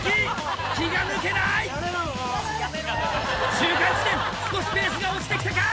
中間地点少しペースが落ちてきたか？